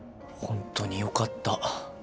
本当によかった。